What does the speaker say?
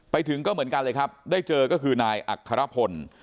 ไปถึงก็เหมือนกันเลยครับได้เจอก็คือนายอัครพล